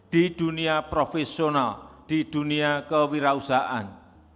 di dunia profesional di dunia kewirausahaan